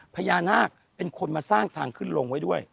พญานาคเป็นคนมาสร้างทางขึ้นลงไว้ด้วย